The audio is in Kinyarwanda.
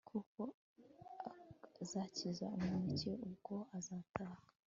kuko azakiza umukene, ubwo azataka